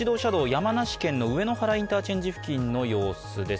山梨県の上野原インターチェンジ付近の状況です。